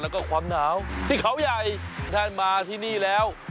แล้วก็ความหนาวที่เขาใหญ่ท่านมาที่นี่แล้ว